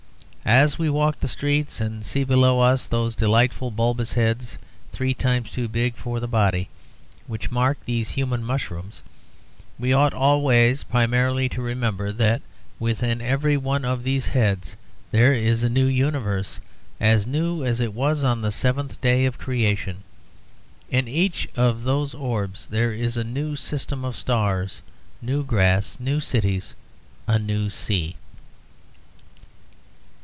As we walk the streets and see below us those delightful bulbous heads, three times too big for the body, which mark these human mushrooms, we ought always primarily to remember that within every one of these heads there is a new universe, as new as it was on the seventh day of creation. In each of those orbs there is a new system of stars, new grass, new cities, a new sea.